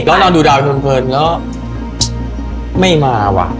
แล้วนอนดูดาวน์เพลินก็ไม่มาว่ะ